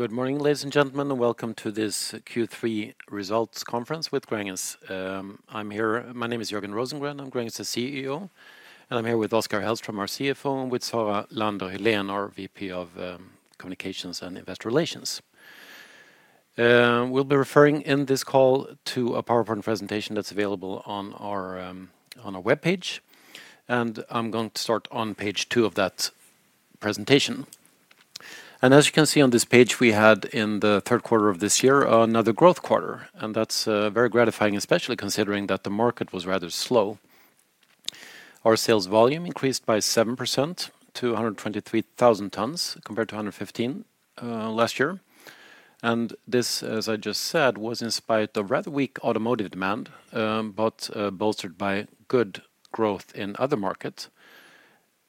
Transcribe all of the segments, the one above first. Good morning, ladies and gentlemen, and welcome to this Q3 Results Conference with Gränges. I'm here. My name is Jörgen Rosengren. I'm Gränges' CEO, and I'm here with Oskar Hellström, our CFO, and with Sara Landin Hellén, our VP of Communications and Investor Relations. We'll be referring in this call to a PowerPoint presentation that's available on our webpage, and I'm going to start on page two of that presentation. And as you can see on this page, we had, in the Q3 of this year, another growth quarter, and that's very gratifying, especially considering that the market was rather slow. Our sales volume increased by 7% to 123,000 tons, compared to 115,000 last year. This, as I just said, was in spite of rather weak automotive demand, but bolstered by good growth in other markets.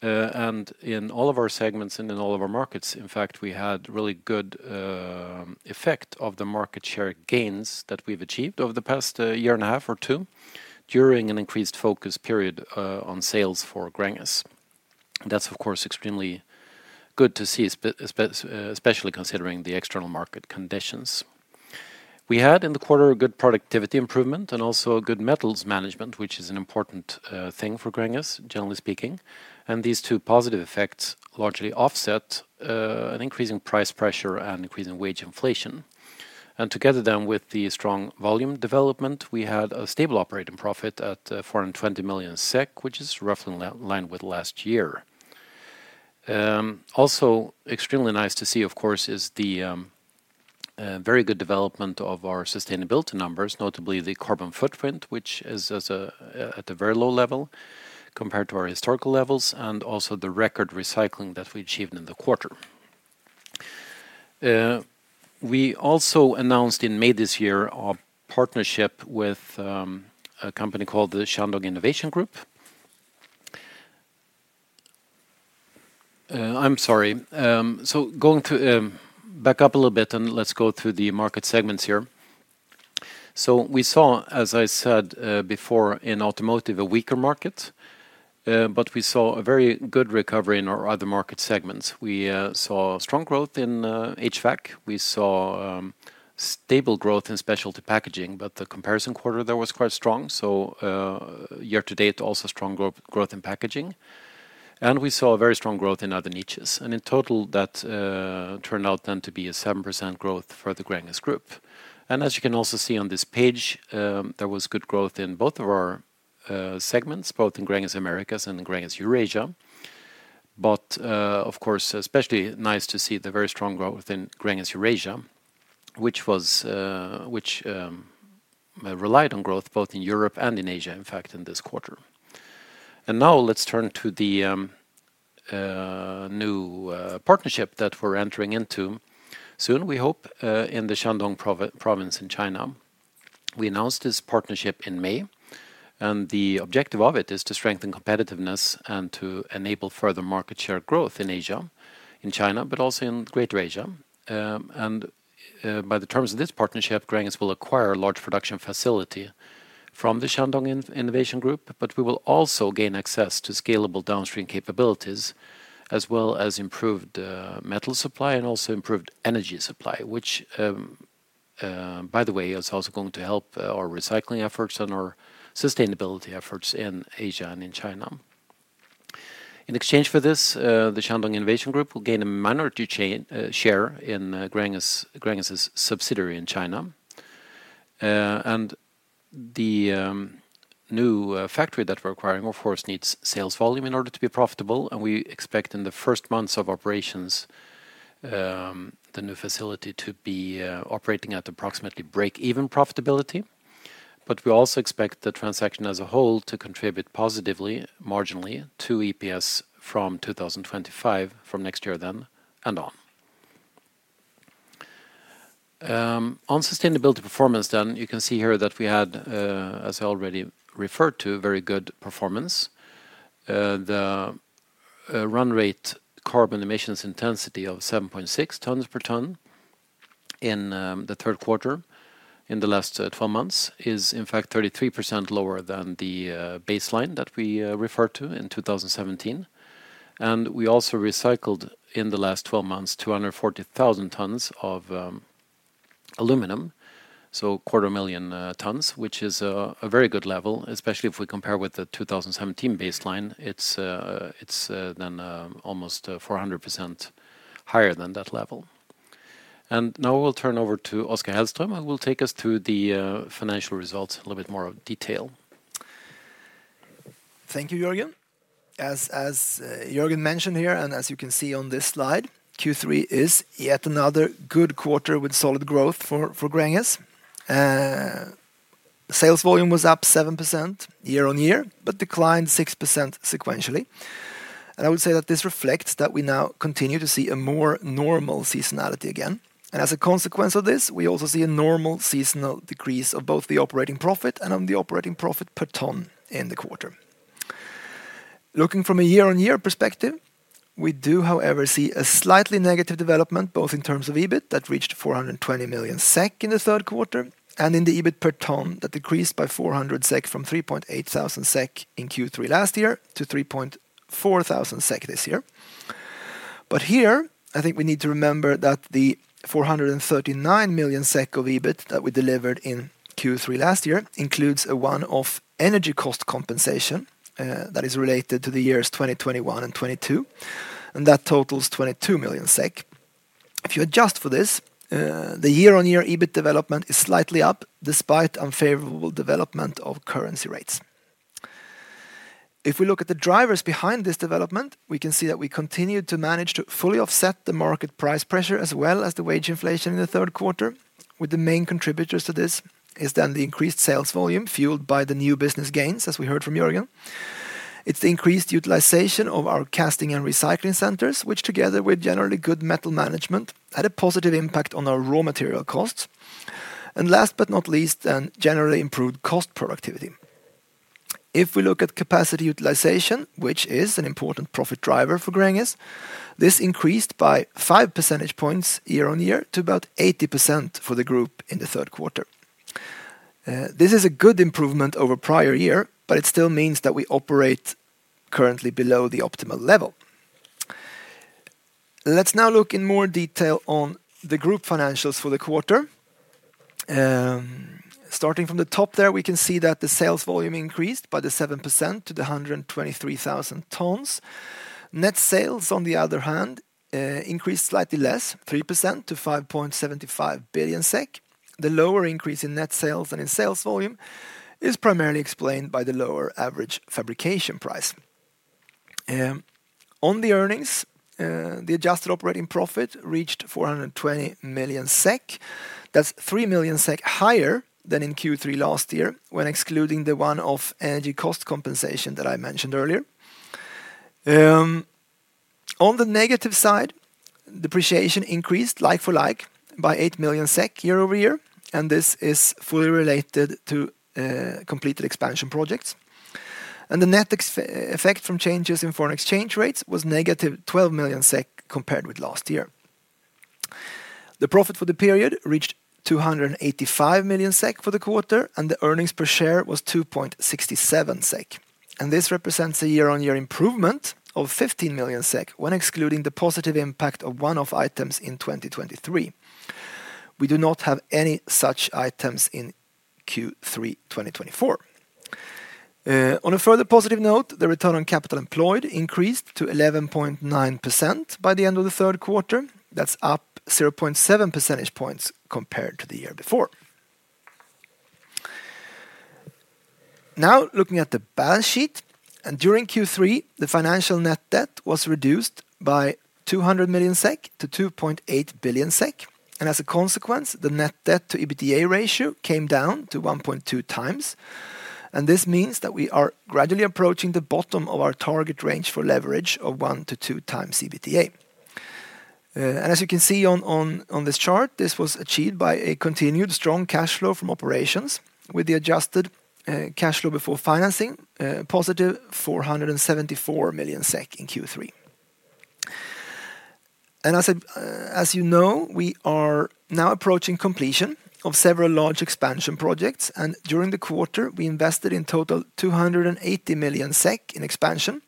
In all of our segments and in all of our markets, in fact, we had really good effect of the market share gains that we've achieved over the past year and a half or two, during an increased focus period on sales for Gränges. That's, of course, extremely good to see, especially considering the external market conditions. We had, in the quarter, a good productivity improvement and also a good metals management, which is an important thing for Gränges, generally speaking. These two positive effects largely offset an increase in price pressure and increase in wage inflation. Together then, with the strong volume development, we had a stable operating profit at 420 million SEK, which is roughly in line with last year. Also extremely nice to see, of course, is the very good development of our sustainability numbers, notably the carbon footprint, which is at a very low level compared to our historical levels, and also the record recycling that we achieved in the quarter. We also announced in May this year, our partnership with a company called the Shandong Innovation Group. I'm sorry. Back up a little bit, and let's go through the market segments here. We saw, as I said, before, in automotive, a weaker market, but we saw a very good recovery in our other market segments. We saw strong growth in HVAC. We saw stable growth in specialty packaging, but the comparison quarter there was quite strong, so year-to-date, also strong growth in packaging. And we saw a very strong growth in other niches, and in total, that turned out then to be a 7% growth for the Gränges Group. And as you can also see on this page, there was good growth in both of our segments, both in Gränges Americas and in Gränges Eurasia. But of course, especially nice to see the very strong growth in Gränges Eurasia, which relied on growth both in Europe and in Asia, in fact, in this quarter. And now let's turn to the new partnership that we're entering into soon, we hope, in the Shandong province in China. We announced this partnership in May, and the objective of it is to strengthen competitiveness and to enable further market share growth in Asia, in China, but also in Greater Asia. By the terms of this partnership, Gränges will acquire a large production facility from the Shandong Innovation Group, but we will also gain access to scalable downstream capabilities, as well as improved metal supply and also improved energy supply, which, by the way, is also going to help our recycling efforts and our sustainability efforts in Asia and in China. In exchange for this, the Shandong Innovation Group will gain a minority stake in Gränges' subsidiary in China. And the new factory that we're acquiring, of course, needs sales volume in order to be profitable, and we expect in the first months of operations, the new facility to be operating at approximately break-even profitability. But we also expect the transaction as a whole to contribute positively, marginally to EPS from 2025, from next year then, and on. On sustainability performance then, you can see here that we had, as I already referred to, very good performance. The run rate carbon emissions intensity of 7.6 tons per ton in the Q3, in the last 12 months, is in fact 33% lower than the baseline that we refer to in 2017. And we also recycled, in the last twelve months, 240,000 tons of aluminum, so 250,000 tons, which is a very good level, especially if we compare with the 2017 baseline. It's then almost 400% higher than that level. And now we'll turn over to Oskar Hellström, who will take us through the financial results in a little bit more of detail. Thank you, Jörgen. As Jörgen mentioned here, and as you can see on this slide, Q3 is yet another good quarter with solid growth for Gränges. Sales volume was up 7% year on year, but declined 6% sequentially. And I would say that this reflects that we now continue to see a more normal seasonality again. And as a consequence of this, we also see a normal seasonal decrease of both the operating profit and on the operating profit per ton in the quarter. Looking from a year-on-year perspective, we do, however, see a slightly negative development, both in terms of EBIT, that reached 420 million SEK in the Q3, and in the EBIT per ton, that decreased by 400 SEK from 3,800 SEK in Q3 last year to 3,400 SEK this year. Here, I think we need to remember that the 439 million SEK of EBIT that we delivered in Q3 last year includes a one-off energy cost compensation, that is related to the years 2021 and 2022, and that totals 22 million SEK. If you adjust for this, the year-on-year EBIT development is slightly up, despite unfavorable development of currency rates. If we look at the drivers behind this development, we can see that we continued to manage to fully offset the market price pressure, as well as the wage inflation in the Q3, with the main contributors to this is then the increased sales volume, fueled by the new business gains, as we heard from Jörgen. It's the increased utilization of our casting and recycling centers, which, together with generally good metal management, had a positive impact on our raw material costs, and last but not least, then generally improved cost productivity. If we look at capacity utilization, which is an important profit driver for Gränges, this increased by five percentage points year-on-year to about 80% for the group in the Q3. This is a good improvement over prior year, but it still means that we operate currently below the optimal level. Let's now look in more detail on the group financials for the quarter. Starting from the top there, we can see that the sales volume increased by the 7% to the 123,000 tons. Net sales, on the other hand, increased slightly less, 3% to 5.75 billion SEK. The lower increase in net sales than in sales volume is primarily explained by the lower average fabrication price. On the earnings, the adjusted operating profit reached 420 million SEK. That's 3 million SEK higher than in Q3 last year, when excluding the one-off energy cost compensation that I mentioned earlier. On the negative side, depreciation increased like-for-like by 8 million SEK year over year, and this is fully related to completed expansion projects, and the net effect from changes in foreign exchange rates was negative 12 million SEK compared with last year. The profit for the period reached 285 million SEK for the quarter, and the earnings per share was 2.67 SEK, and this represents a year-on-year improvement of 15 million SEK, when excluding the positive impact of one-off items in 2023. We do not have any such items in Q3 twenty twenty-four. On a further positive note, the return on capital employed increased to 11.9% by the end of the Q3. That's up 0.7 percentage points compared to the year before. Now, looking at the balance sheet and during Q3, the financial net debt was reduced by 200 million SEK to 2.8 billion SEK, and as a consequence, the net debt to EBITDA ratio came down to 1.2 times, and this means that we are gradually approaching the bottom of our target range for leverage of 1-2 times EBITDA. As you can see on this chart, this was achieved by a continued strong cash flow from operations with the adjusted cash flow before financing positive 474 million SEK in Q3. As you know, we are now approaching completion of several large expansion projects, and during the quarter, we invested in total 280 million SEK in expansion.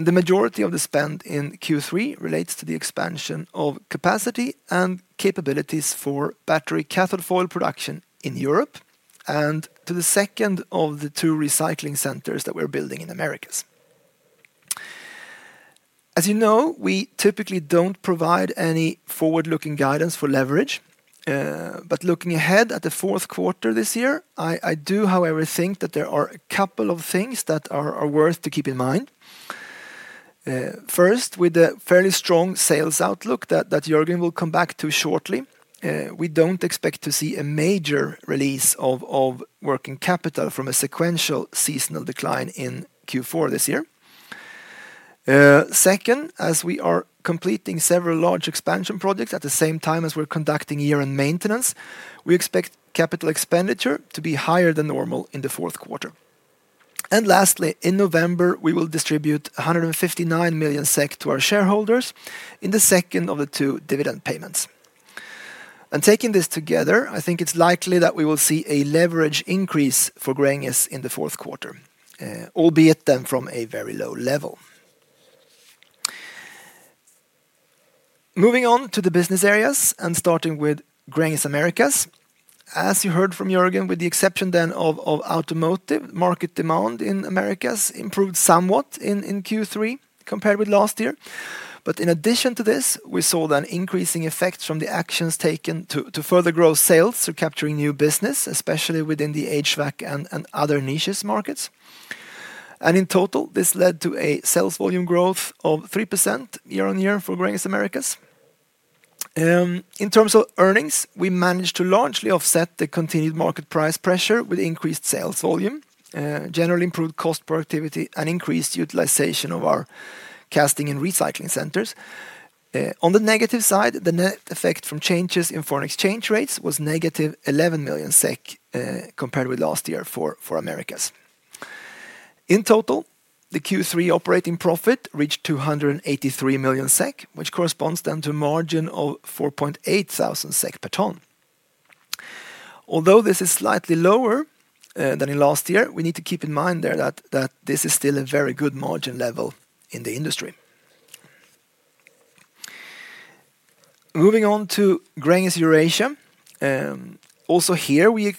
The majority of the spend in Q3 relates to the expansion of capacity and capabilities for battery cathode foil production in Europe, and to the second of the two recycling centers that we're building in Americas. As you know, we typically don't provide any forward-looking guidance for leverage, but looking ahead at the Q4 this year, I do, however, think that there are a couple of things that are worth to keep in mind. First, with a fairly strong sales outlook that Jörgen will come back to shortly, we don't expect to see a major release of working capital from a sequential seasonal decline in Q4 this year. Second, as we are completing several large expansion projects at the same time as we're conducting year-end maintenance, we expect capital expenditure to be higher than normal in the Q4. And lastly, in November, we will distribute 159 million SEK to our shareholders in the second of the two dividend payments. Taking this together, I think it's likely that we will see a leverage increase for Gränges in the Q4, albeit then from a very low level. Moving on to the business areas and starting with Gränges Americas. As you heard from Jörgen, with the exception then of automotive, market demand in Americas improved somewhat in Q3 compared with last year. In addition to this, we saw that increasing effects from the actions taken to further grow sales through capturing new business, especially within the HVAC and other niche markets. In total, this led to a sales volume growth of 3% year-on-year for Gränges Americas. In terms of earnings, we managed to largely offset the continued market price pressure with increased sales volume, generally improved cost productivity, and increased utilization of our casting and recycling centers. On the negative side, the net effect from changes in foreign exchange rates was negative 11 million SEK, compared with last year for Americas. In total, the Q3 operating profit reached 283 million SEK, which corresponds then to margin of 4.8 thousand SEK per ton. Although this is slightly lower than in last year, we need to keep in mind there that this is still a very good margin level in the industry. Moving on to Gränges Eurasia, also here, we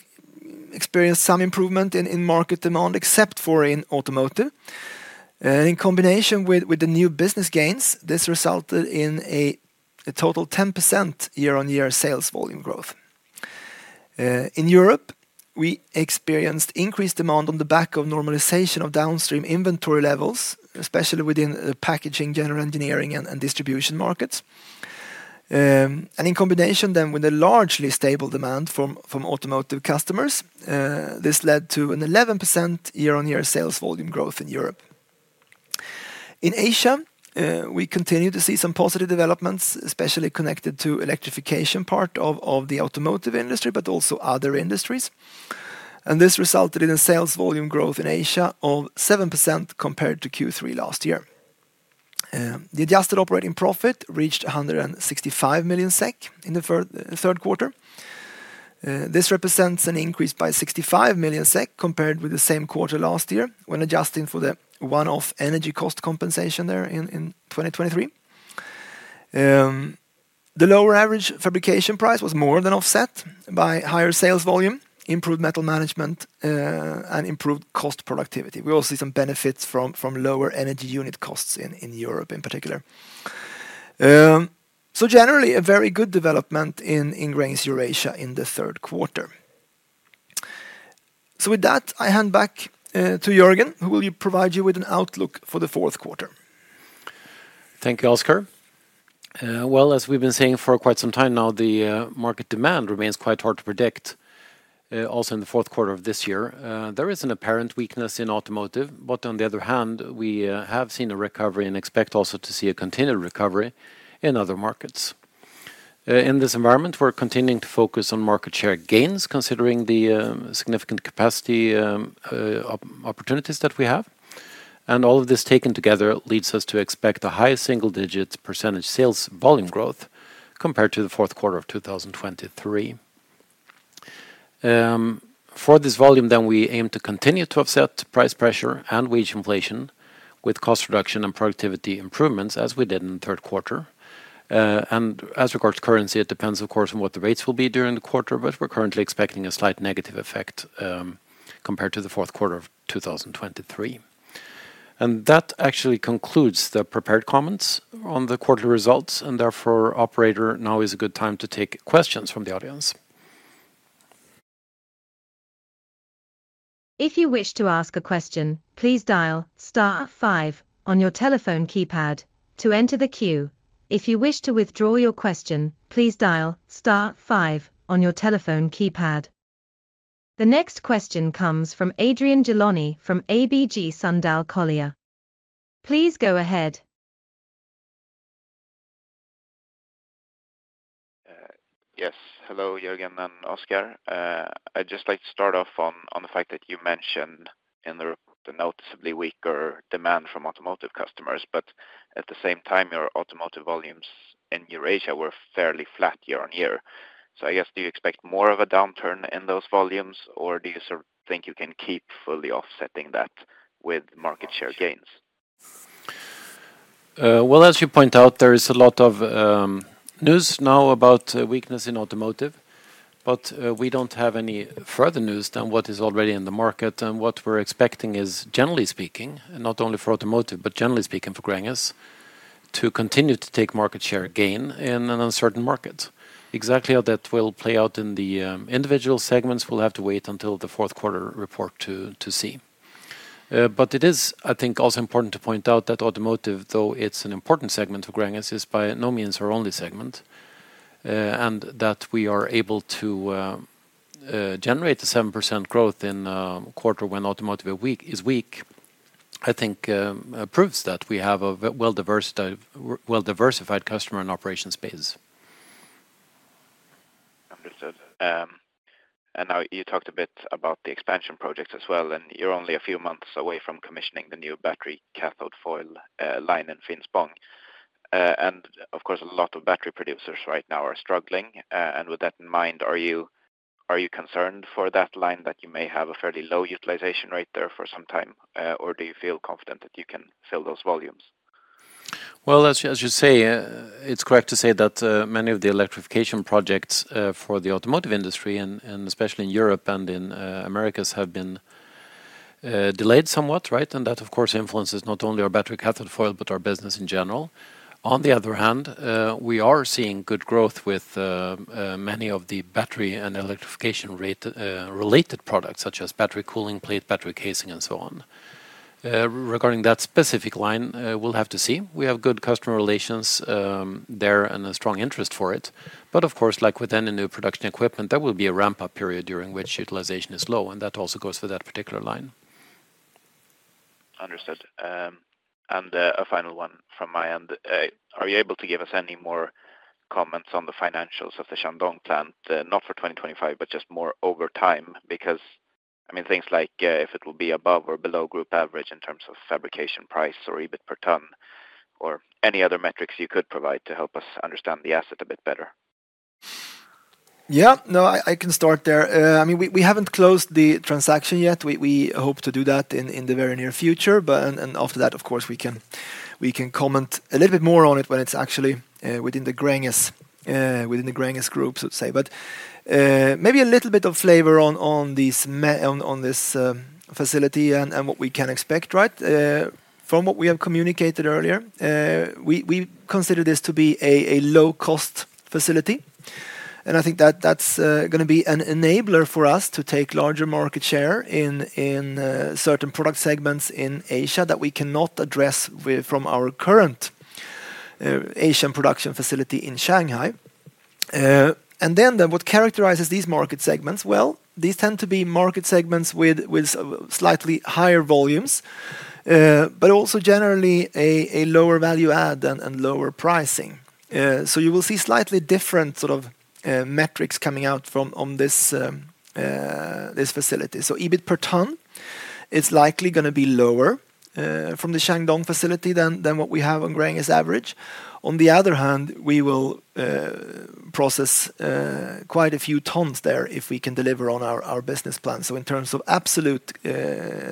experienced some improvement in market demand, except for in automotive. In combination with the new business gains, this resulted in a total 10% year-on-year sales volume growth. In Europe, we experienced increased demand on the back of normalization of downstream inventory levels, especially within packaging, general engineering, and distribution markets. And in combination then with a largely stable demand from automotive customers, this led to an 11% year-on-year sales volume growth in Europe. In Asia, we continue to see some positive developments, especially connected to electrification, part of the automotive industry, but also other industries, and this resulted in a sales volume growth in Asia of 7% compared to Q3 last year. The adjusted operating profit reached 165 million SEK in the Q3. This represents an increase by 65 million SEK, compared with the same quarter last year, when adjusting for the one-off energy cost compensation in 2023. The lower average fabrication price was more than offset by higher sales volume, improved metal management, and improved cost productivity. We also see some benefits from lower energy unit costs in Europe in particular. So generally, a very good development in Gränges Eurasia in the Q3. So with that, I hand back to Jörgen, who will provide you with an outlook for the Q4. Thank you, Oskar. Well, as we've been saying for quite some time now, the market demand remains quite hard to predict, also in the Q4 of this year. There is an apparent weakness in automotive, but on the other hand, we have seen a recovery and expect also to see a continued recovery in other markets. In this environment, we're continuing to focus on market share gains, considering the significant capacity opportunities that we have. All of this taken together leads us to expect a high single-digit % sales volume growth compared to the Q4 of two thousand twenty-three. For this volume, then we aim to continue to offset price pressure and wage inflation with cost reduction and productivity improvements, as we did in the Q3. And as regards to currency, it depends, of course, on what the rates will be during the quarter, but we're currently expecting a slight negative effect, compared to the Q4 of two thousand twenty-three. That actually concludes the prepared comments on the quarterly results, and therefore, operator, now is a good time to take questions from the audience. If you wish to ask a question, please dial star five on your telephone keypad to enter the queue. If you wish to withdraw your question, please dial star five on your telephone keypad. The next question comes from Adrian Gilani from ABG Sundal Collier. Please go ahead. Yes. Hello, Jörgen and Oskar. I'd just like to start off on the fact that you mentioned the noticeably weaker demand from automotive customers, but at the same time, your automotive volumes in Eurasia were fairly flat year-on-year. So I guess, do you expect more of a downturn in those volumes, or do you sort of think you can keep fully offsetting that with market share gains? Well, as you point out, there is a lot of news now about weakness in automotive, but we don't have any further news than what is already in the market. What we're expecting is, generally speaking, not only for automotive, but generally speaking for Gränges, to continue to take market share gain in an uncertain market. Exactly how that will play out in the individual segments, we'll have to wait until the Q4 report to see, but it is, I think, also important to point out that automotive, though it's an important segment of Gränges, is by no means our only segment, and that we are able to generate the 7% growth in quarter when automotive is weak, I think, proves that we have a well-diversified customer and operation space. Understood. And now, you talked a bit about the expansion projects as well, and you're only a few months away from commissioning the new battery cathode foil line in Finspång. And of course, a lot of battery producers right now are struggling. And with that in mind, are you concerned for that line, that you may have a fairly low utilization rate there for some time, or do you feel confident that you can fill those volumes? As you say, it's correct to say that many of the electrification projects for the automotive industry, and especially in Europe and in Americas, have been delayed somewhat, right? And that, of course, influences not only our battery cathode foil, but our business in general. On the other hand, we are seeing good growth with many of the battery and electrification rate related products, such as battery cooling plate, battery casing, and so on. Regarding that specific line, we'll have to see. We have good customer relations there and a strong interest for it. But of course, like with any new production equipment, there will be a ramp-up period during which utilization is low, and that also goes for that particular line. Understood. And a final one from my end. Are you able to give us any more comments on the financials of the Shandong plant? Not for 2025, but just more over time, because... I mean, things like, if it will be above or below group average in terms of fabrication price or EBIT per ton, or any other metrics you could provide to help us understand the asset a bit better? Yeah. No, I can start there. I mean, we haven't closed the transaction yet. We hope to do that in the very near future. But after that, of course, we can comment a little bit more on it when it's actually within the Gränges Group, so to say. But maybe a little bit of flavor on this facility and what we can expect, right? From what we have communicated earlier, we consider this to be a low-cost facility, and I think that's gonna be an enabler for us to take larger market share in certain product segments in Asia that we cannot address from our current Asian production facility in Shanghai. What characterizes these market segments? Well, these tend to be market segments with slightly higher volumes, but also generally a lower value add and lower pricing. So you will see slightly different sort of metrics coming out from this facility. So EBIT per ton is likely gonna be lower from the Shandong facility than what we have on Gränges average. On the other hand, we will process quite a few tons there if we can deliver on our business plan. So in terms of absolute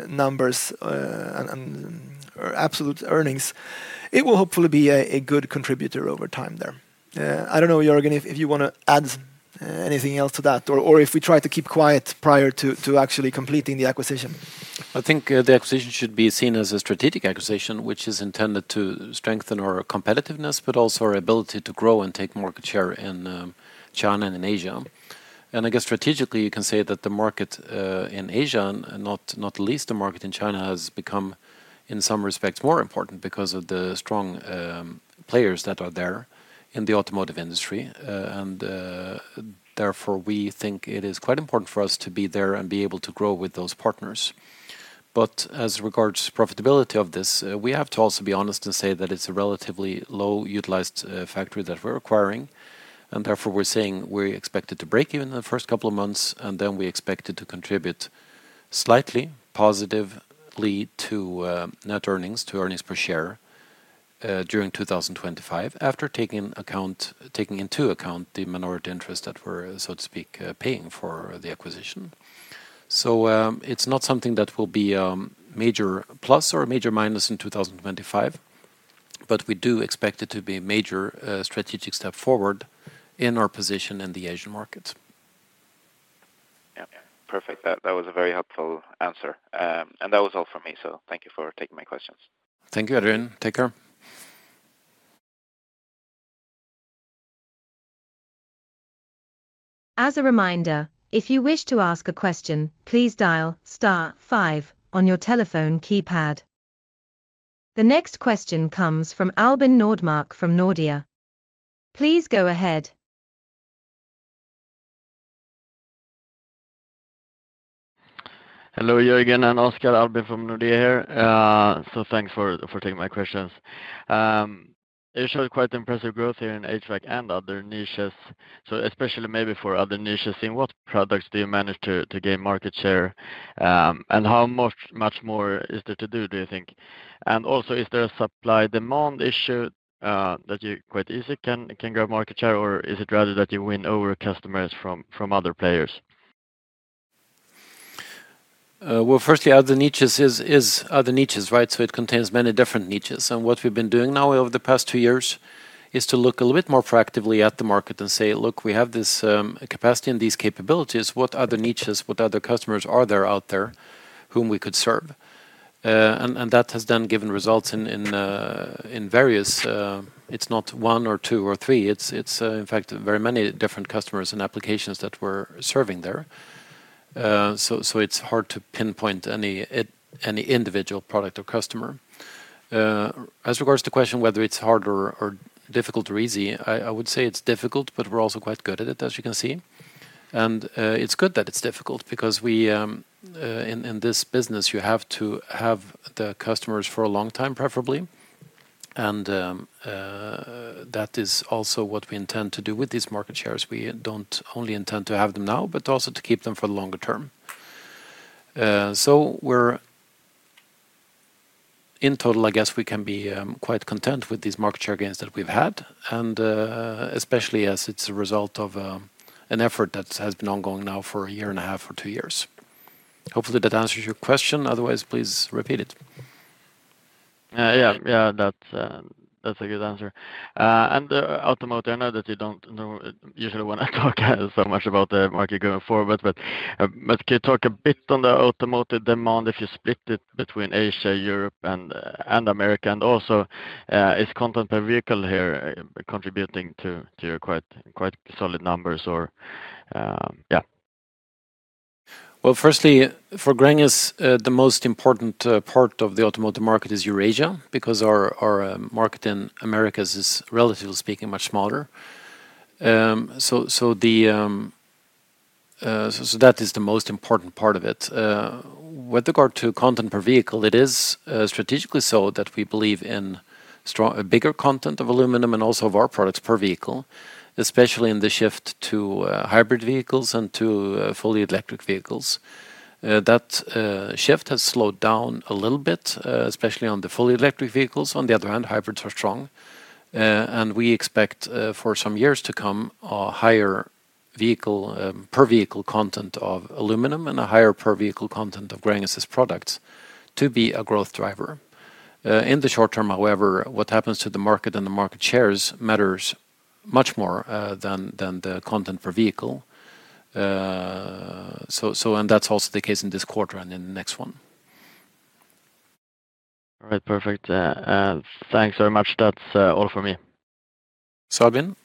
numbers and or absolute earnings, it will hopefully be a good contributor over time there. I don't know, Jörgen, if you wanna add anything else to that, or if we try to keep quiet prior to actually completing the acquisition. I think the acquisition should be seen as a strategic acquisition, which is intended to strengthen our competitiveness, but also our ability to grow and take market share in China and in Asia, and I guess strategically, you can say that the market in Asia, not least the market in China, has become in some respects more important because of the strong players that are there in the automotive industry, and therefore, we think it is quite important for us to be there and be able to grow with those partners. But as regards to profitability of this, we have to also be honest and say that it's a relatively low-utilized factory that we're acquiring, and therefore, we're saying we expect it to break even in the first couple of months, and then we expect it to contribute slightly positively to net earnings, to earnings per share during two thousand and twenty-five, after taking into account the minority interest that we're so to speak paying for the acquisition. So, it's not something that will be major plus or a major minus in two thousand and twenty-five, but we do expect it to be a major strategic step forward in our position in the Asian market. Yeah. Perfect. That was a very helpful answer, and that was all for me, so thank you for taking my questions. Thank you, Adrian. Take care. As a reminder, if you wish to ask a question, please dial star five on your telephone keypad. The next question comes from Albin Nordmark, from Nordea. Please go ahead. Hello, Jörgen and Oscar. Albin from Nordea here, so thanks for taking my questions. You showed quite impressive growth here in HVAC and other niches, so especially maybe for other niches, in what products do you manage to gain market share? And how much more is there to do, do you think? And also, is there a supply/demand issue that you quite easy can grow market share, or is it rather that you win over customers from other players? Well, firstly, other niches is other niches, right? So it contains many different niches, and what we've been doing now over the past two years is to look a little bit more proactively at the market and say, "Look, we have this capacity and these capabilities. What other niches, what other customers are there out there whom we could serve?" And that has then given results in various. It's not one or two or three, it's in fact very many different customers and applications that we're serving there. So it's hard to pinpoint any individual product or customer. As regards to the question whether it's hard or difficult or easy, I would say it's difficult, but we're also quite good at it, as you can see. And, it's good that it's difficult because we, in this business, you have to have the customers for a long time, preferably, and, that is also what we intend to do with these market shares. We don't only intend to have them now, but also to keep them for the longer term. So we're... In total, I guess we can be quite content with these market share gains that we've had, and, especially as it's a result of an effort that has been ongoing now for a year and a half or two years. Hopefully, that answers your question. Otherwise, please repeat it. Yeah, yeah, that's a good answer. And automotive, I know that you don't know usually when I talk so much about the market going forward, but can you talk a bit on the automotive demand, if you split it between Asia, Europe, and America? And also, is content per vehicle here contributing to your quite solid numbers or... Yeah. Firstly, for Gränges, the most important part of the automotive market is Eurasia, because our market in Americas is, relatively speaking, much smaller. That is the most important part of it. With regard to content per vehicle, it is strategically so that we believe in a bigger content of aluminum and also of our products per vehicle, especially in the shift to hybrid vehicles and to fully electric vehicles. That shift has slowed down a little bit, especially on the fully electric vehicles. On the other hand, hybrids are strong, and we expect, for some years to come, a higher per-vehicle content of aluminum and a higher per-vehicle content of Gränges' products to be a growth driver. In the short term, however, what happens to the market and the market shares matters much more than the content per vehicle, and that's also the case in this quarter and in the next one. All right. Perfect. Thanks very much. That's all for me. So Albin?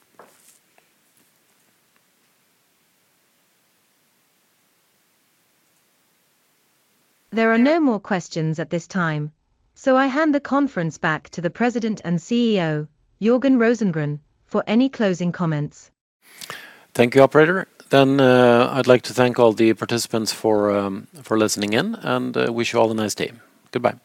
There are no more questions at this time, so I hand the conference back to the President and CEO, Jörgen Rosengren, for any closing comments. Thank you, operator. Then, I'd like to thank all the participants for listening in, and wish you all a nice day. Goodbye.